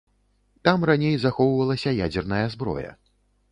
Там раней захоўвалася ядзерная зброя.